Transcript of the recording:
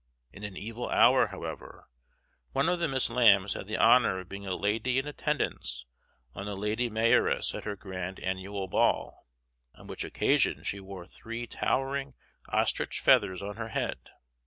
In an evil hour, however, one of the Miss Lambs had the honor of being a lady in attendance on the Lady Mayoress at her grand annual ball, on which occasion she wore three towering ostrich feathers on her head.